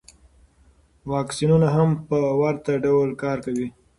واکسینونه هم په ورته ډول کار کوي.